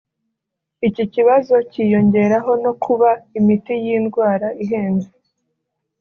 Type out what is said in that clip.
Iki kibazo cyiyongeraho no kuba imiti y’iyi ndwara ihenze